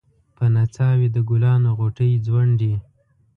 په نڅا وې د ګلانو غوټۍ ځونډي